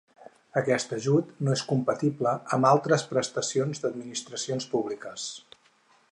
Aquest ajut no és compatible amb altres prestacions d'administracions públiques.